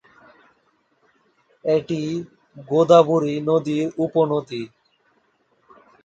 এটি গোদাবরী নদীর উপনদী।